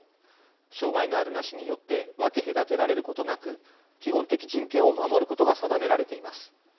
障害のあるなしによって分け隔てられることなく基本的人権を守ることが定められています。